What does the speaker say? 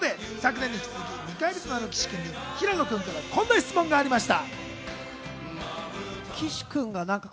そこで去年に引き続き２回目となる岸君に平野君からこんな質問がありました。